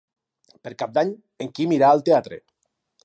Per Cap d'Any en Quim irà al teatre.